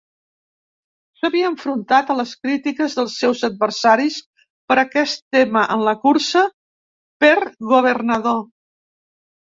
S'havia enfrontat a les crítiques dels seus adversaris per aquest tema en la cursa per Governador.